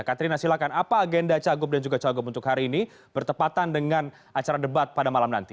katrina silakan apa agenda cagup dan juga cagup untuk hari ini bertepatan dengan acara debat pada malam nanti